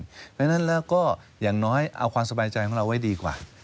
เพราะฉะนั้นแล้วก็อย่างน้อยเอาความสบายใจของเราไว้ดีกว่า